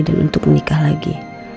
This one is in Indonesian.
dan untuk menikah lagi